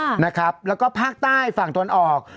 ค่ะนะครับแล้วก็ภาคใต้ฝั่งตะวันออก